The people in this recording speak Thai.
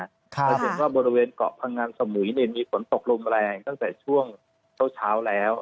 จะเห็นว่าบริเวณเกาะพังงันสมุยมีฝนตกลมแรงตั้งแต่ช่วงเช้าแล้ว